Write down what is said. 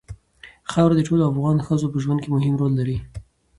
خاوره د ټولو افغان ښځو په ژوند کې هم رول لري.